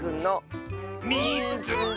「みいつけた！」。